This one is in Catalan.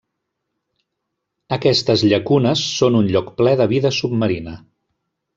Aquestes llacunes són un lloc ple de vida submarina.